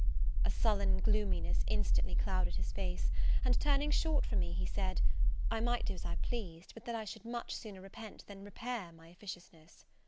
A sullen gloominess instantly clouded his face, and, turning short from me, he said, I might do as I pleased, but that I should much sooner repent than repair my officiousness.